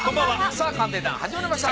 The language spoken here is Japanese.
さぁ「鑑定団」始まりました。